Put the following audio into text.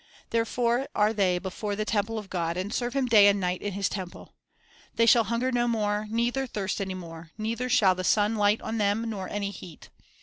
Therefore are they before the throne of God, and serve Him day and night in His temple. ... They shall hunger no more, neither thirst any more; neither shall the sun light on them, nor any heat.